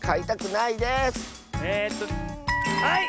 えっとはい！